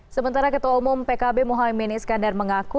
sementara ketua umum pkb muhamad bin iskandar mengaku